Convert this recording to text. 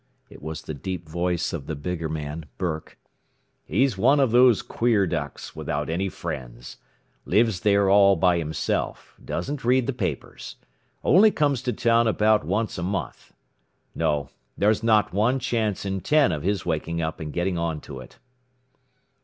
It was the deep voice of the bigger man, Burke. "He's one of those queer ducks, without any friends. Lives there all by himself, doesn't read the papers, and only comes to town about once a month. No; there's not one chance in ten of his waking up and getting onto it."